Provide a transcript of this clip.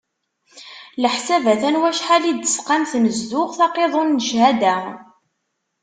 Leḥsab a-t-an wacḥal i d-tesqam tnezduɣt, aqiḍun n cchada.